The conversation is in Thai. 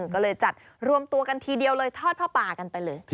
ก็เลยจัดรวมตัวกันทีเดียวเลยทอดผ้าป่ากันไปเลย